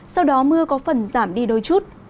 sau đó mưa có phần giảm đi đôi chút